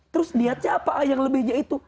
terus niatnya apa yang lebihnya itu